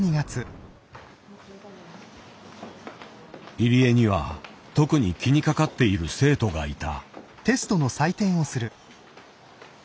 入江には特に気にかかっている生徒がいた。